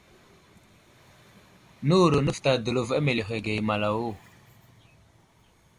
Nəwuro nəfətay dəlov a meləhwəge i malawo.